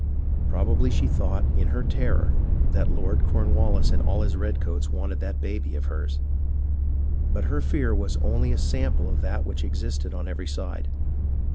Probably she thought, in her terror, that Lord Cornwallis and all his redcoats wanted that baby of hers. But her fear was only a sample of that which existed on every side.